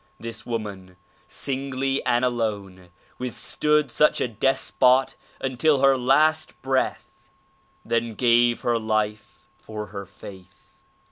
This woman singly and alone withstood such a despot until her last breath ; then gave her life for her faith.